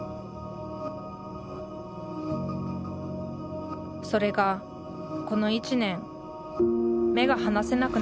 それがこの１年目が離せなくなっています